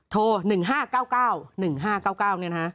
โทร๑๕๙๙๑๕๙๙เนี่ยนะฮะ๑๕๙๙๑๕๙๙